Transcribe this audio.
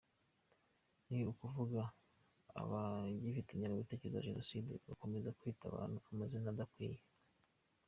Ni ukuvuga abagifite ingengabitekerezo ya Jenoside bagakomeza kwita abantu amazina adakwiye.